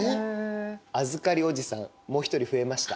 預かりおじさんもう１人増えました。